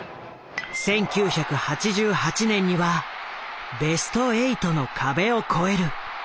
１９８８年にはベスト８の壁を越える。